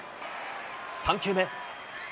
３球目。